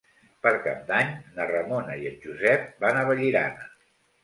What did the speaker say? Per Cap d'Any na Ramona i en Josep van a Vallirana.